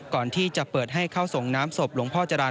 ก่อนที่จะเปิดให้เข้าส่งน้ำศพหลวงพ่อจรรย